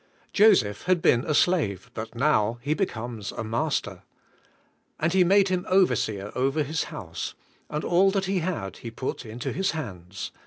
Joseph had been a slave, but now he becomes a master. "And he made him overseer over his house, and all that he had he put into his hands.